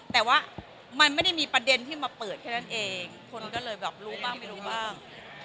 แต่ว่ามันไม่ได้มีประเด็นที่มาเปิดแค่นั้นเองคนก็เลยแบบรู้บ้างไม่รู้บ้าง